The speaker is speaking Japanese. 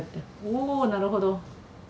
おぉなるほど。